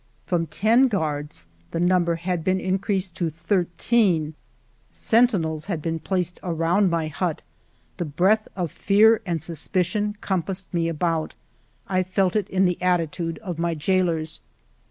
From ten guards the number had been increased to thirteen ; sen tinels had been placed around my hut ; the breath of fear and suspicion compassed me about ; I felt it in the attitude of my jailers.